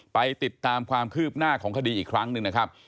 ไปติดตามความคืบหน้าของคดีอีกครั้งหนึ่งนะครับ